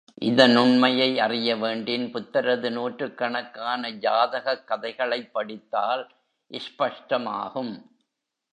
இதனுண்மையை அறிய வேண்டின் புத்தரது நூற்றுக்கணக்கான ஜாதகக் கதைகளைப் படித்தால் ஸ்பஷ்டமாகும்.